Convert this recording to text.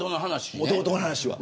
もともとの話は。